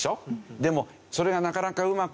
でもそれがなかなかうまくいかない。